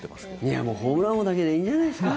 いや、もうホームラン王だけでいいんじゃないですか？